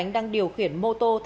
đang điều khiển mô tô